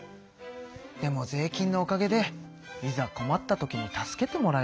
でも税金のおかげでいざこまった時に助けてもらえるのか。